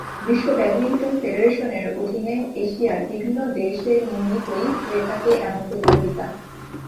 বিশ্ব ব্যাডমিন্টন ফেডারেশনের অধীনে এশিয়ার বিভিন্ন দেশে নিয়মিতই হয়ে থাকে এমন প্রতিযোগিতা।